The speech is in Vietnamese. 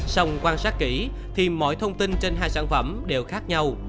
xong quan sát kỹ thì mọi thông tin trên hai sản phẩm đều khác nhau